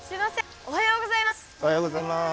おはようございます。